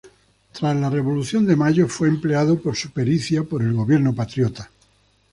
Tras la Revolución de Mayo fue empleado por su pericia por el gobierno patriota.